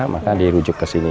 maka dirujuk ke sini